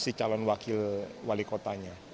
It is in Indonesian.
terlepas dari elektabilitas